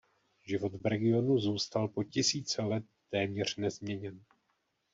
Život v regionu zůstal po tisíce let téměř nezměněn.